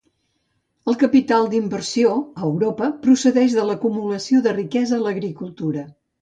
El capital d'inversió, a Europa, procedeix de l'acumulació de riquesa a l'agricultura.